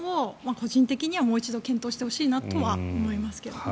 個人的にはもう一度検討してほしいなとは思いますけどね。